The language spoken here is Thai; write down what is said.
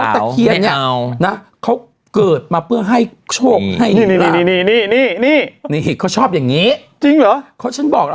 เพราะฉันบอกแล้วเขาชอบแบบนี้